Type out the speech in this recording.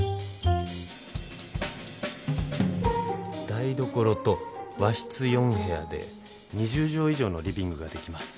台所と和室４部屋で２０畳以上のリビングが出来ます。